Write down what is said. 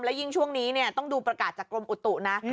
และยิ่งช่วงนี้ต้องดูประกาศจากกรมอุตุนะ